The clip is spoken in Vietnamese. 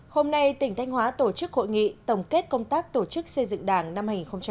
hôm nay tỉnh thanh hóa tổ chức hội nghị tổng kết công tác tổ chức xây dựng đảng năm hai nghìn một mươi chín